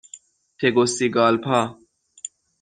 تگوسیگالپا